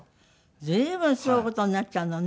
随分すごい事になっちゃうのね。